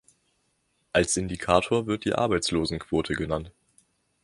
Als Indikator wird die Arbeitslosenquote genannt.